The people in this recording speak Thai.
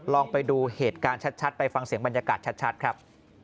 ลองไปดูเหตุการณ์ชัดไปฟังเสียงบรรยากาศชัดครับ